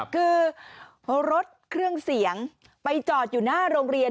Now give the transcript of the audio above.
คือพอรถเครื่องเสียงไปจอดอยู่หน้าโรงเรียน